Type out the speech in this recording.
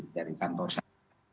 dari kantor sana